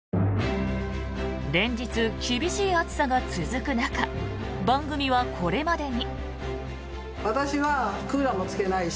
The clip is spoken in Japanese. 連日、厳しい暑さが続く中番組はこれまでに。